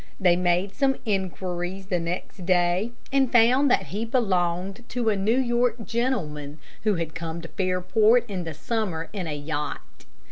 They made some inquiries the next day, and found that he belonged to a New York gentleman who had come to Fairport in the summer in a yacht.